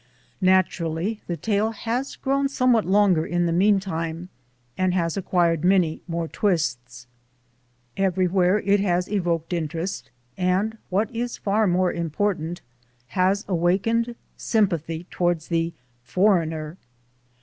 Naturally the tale has grown somewhat longer in the meantime and has acquired many more twists. Everywhere it has evoked interest and, what is far more important, ix X FOREWORD has awakened sympathy toward the "foreigner.'